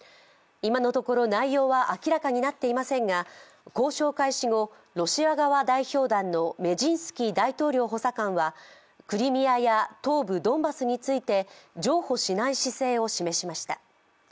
今のところ、内容は明らかになっていませんが交渉開始後、ロシア側代表団のメジンスキー大統領補佐官はクリミアや東部ドンバスについて譲歩しない姿勢を示しました。